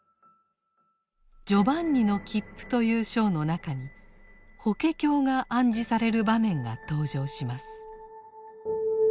「ジョバンニの切符」という章の中に法華経が暗示される場面が登場します。